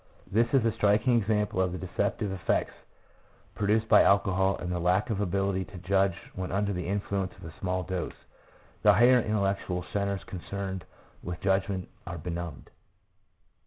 This is a striking example of the deceptive effects produced by alcohol, and the lack of ability to judge when under the influence of a small dose. The higher intellectual centres concerned with judgment are benumbed.